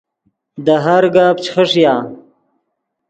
دے ہر گپ چے خݰیا